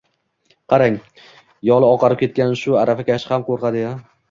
Qarang, yoli oqarib ketgan shu aravakash ham qo‘rqadi-ya